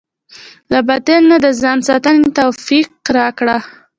له باطل نه د ځان ساتنې توفيق راکړه.